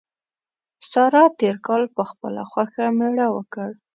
سارا تېر کال په خپله خوښه مېړه وکړ.